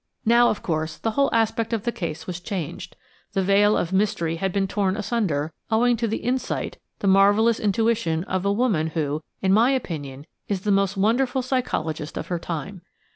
Now, of course, the whole aspect of the case was changed: the veil of mystery had been torn asunder owing to the insight, the marvelous intuition, of a woman who, in my opinion, is the most wonderful psychologist of her time.